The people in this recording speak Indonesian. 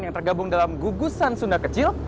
yang tergabung dalam gugusan sunda kecil